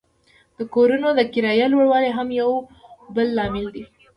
د کورونو د کرایې لوړوالی هم یو بل لامل دی